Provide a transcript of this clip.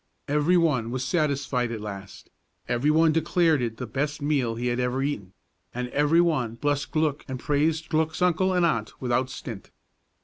Every one was satisfied at last; every one declared it the best meal he had ever eaten, and every one blessed Glück and praised Glück's uncle and aunt without stint.